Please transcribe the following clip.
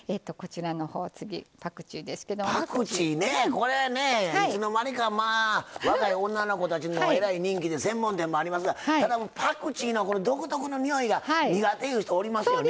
これねいつの間にかまあ若い女の子たちにもえらい人気で専門店もありますがただパクチーのこの独特のにおいが苦手いう人おりますよね。